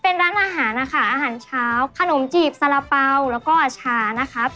เป็นร้านอาหารนะคะอาหารเช้าขนมจีบสาระเป๋าแล้วก็ชานะครับ